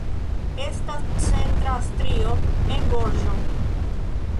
Estas centra strio en gorĝo.